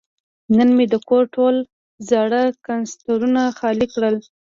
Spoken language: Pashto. نن مې د کور ټول زاړه کنسترونه خالي کړل.